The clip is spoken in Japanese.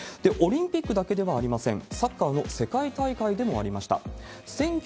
オリンピックだけではありません、サッカーの世界大会でもありました。